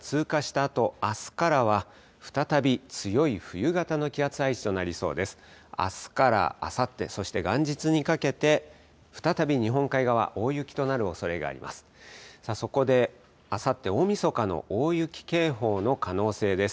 あすからあさって、そして元日にかけて、再び日本海側、大雪となるおそれがあります。